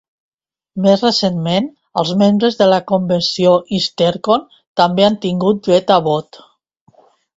Més recentment, els membres de la convenció Eastercon també han tingut dret a vot.